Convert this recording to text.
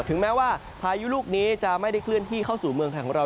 ถึงแม้ว่าพายุลูกนี้จะไม่ได้เคลื่อนที่เข้าสู่เมืองไทยของเรา